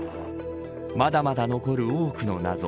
まだまだ残る多くの謎。